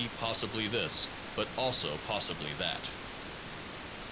possibly this, but also possibly that.